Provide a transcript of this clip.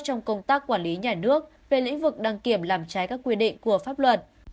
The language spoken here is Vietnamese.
trong công tác quản lý nhà nước về lĩnh vực đăng kiểm làm trái các quy định của pháp luật